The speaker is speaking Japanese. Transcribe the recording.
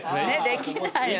できないよね。